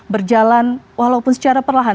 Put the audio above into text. berjalan walaupun secara perlahan